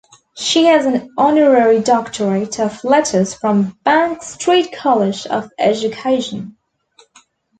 She has an honorary Doctorate of Letters from Bank Street College of Education.